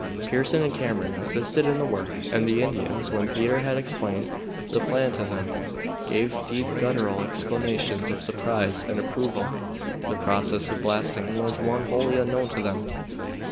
Pearson and Cameron assisted in the work, and the Indians, when Peter had explained the plan to them, gave deep gutteral exclamations of surprise and approval. The process of blasting was one wholly unknown to them.